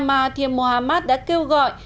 mahathir mohamad đã kêu gọi